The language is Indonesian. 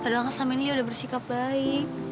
padahal ngeselin lia sudah bersikap baik